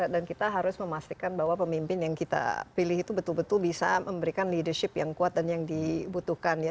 dan kita harus memastikan bahwa pemimpin yang kita pilih itu betul betul bisa memberikan leadership yang kuat dan yang dibutuhkan ya